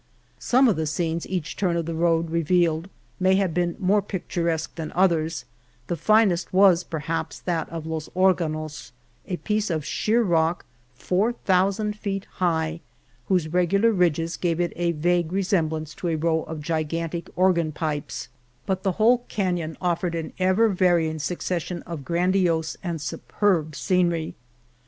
Some of the scenes each turn of the road revealed may have been more picturesque than others — the finest was perhaps that of Los Organos, a piece of sheer rock four thousand feet high, whose regular ridges give it a vague resem blance to a row of gigantic organ pipes — but 236 Malagueha, Venta de Cardenas the whole canon offered an ever varying succession of grandiose and superb scen ery.